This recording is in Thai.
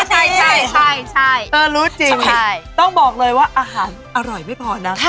ใช่รู้จริงต้องบอกเลยว่าอาหารอร่อยไม่พอนะ